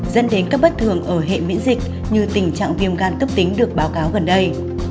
dẫn đến các bất thường ở hệ miễn dịch như tình trạng viêm gan cấp tính được báo cáo gần đây